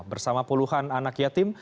bersama puluhan anak yatim